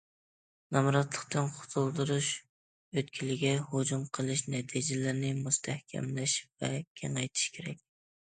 نامراتلىقتىن قۇتۇلدۇرۇش ئۆتكىلىگە ھۇجۇم قىلىش نەتىجىلىرىنى مۇستەھكەملەش ۋە كېڭەيتىش كېرەك.